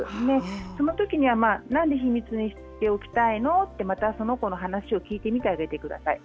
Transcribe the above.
そのときにはなんで秘密にしておきたいの？とまたその子の話を聞いてみてあげてください。